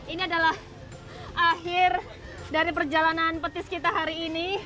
ini adalah akhir dari perjalanan petis kita hari ini